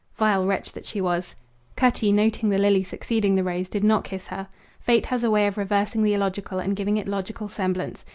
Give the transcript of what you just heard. Vile wretch that she was! Cutty, noting the lily succeeding the rose, did not kiss her. Fate has a way of reversing the illogical and giving it logical semblance.